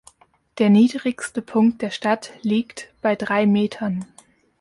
Der niedrigste Punkt der Stadt liegt bei drei Metern.